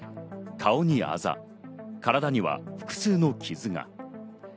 顔にあざ、体には複数の傷が。